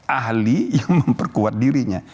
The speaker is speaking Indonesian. ahli yang memperkuat dirinya